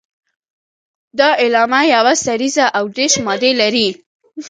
دا اعلامیه یوه سريزه او دېرش مادې لري.